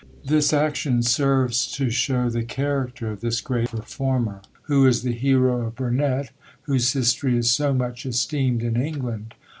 This action serves to show the character of this great reformer, who is the hero of Burnet, whose history is so much esteemed in England.